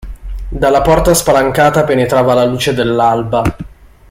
Dalla porta spalancata penetrava la luce dell'alba.